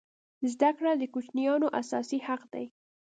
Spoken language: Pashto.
زده کړه د کوچنیانو اساسي حق دی.